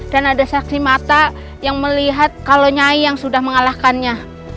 ada saksi mata yang melihat kalau nyai yang sudah mengalahkannya